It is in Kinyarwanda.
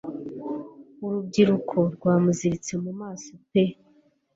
Urubyiruko rwamuziritse mu maso pe